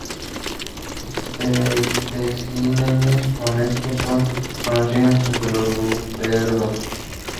Especímenes como estos son conocidos entre los guepardos.